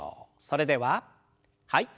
それでははい。